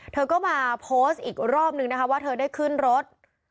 เธอก็มาโพสต์อีกรอบนึงนะคะว่าเธอได้ขึ้นรถ